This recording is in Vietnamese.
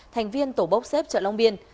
thành viên tổ bốc xếp chợ long biên